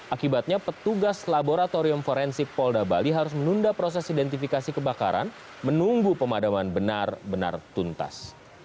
akibatnya petugas laboratorium forensik polda bali harus menunda proses identifikasi kebakaran menunggu pemadaman benar benar tuntas